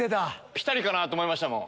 ピタリかなと思いましたもん。